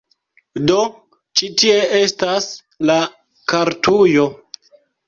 Do ĉi tie estas la kartujo